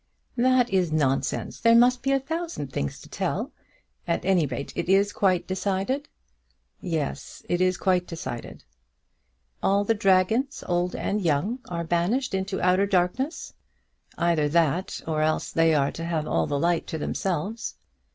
"That is nonsense. There must be a thousand things to tell. At any rate it is quite decided?" "Yes; it is quite decided." "All the dragons, old and young, are banished into outer darkness." "Either that, or else they are to have all the light to themselves."